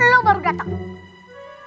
lo baru datang